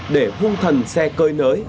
để hung thần xe cơi nới